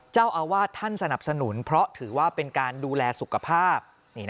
เจ้าอาวาสท่านสนับสนุนเพราะถือว่าเป็นการดูแลสุขภาพ